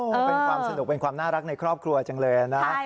โอ้โหเป็นความสนุกเป็นความน่ารักในครอบครัวจังเลยนะ